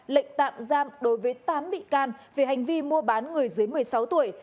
lệnh tạm giam đối với tám bị can về hành vi mua bán người dưới một mươi sáu tuổi